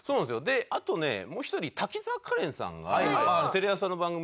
であとねもう１人滝沢カレンさんがテレ朝の番組でご一緒したりして。